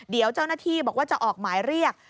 เดี๋ยวเจ้าหน้าที่บอกว่าจะออกหมายเรียก